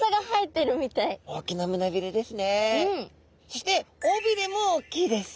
そして尾びれも大きいです。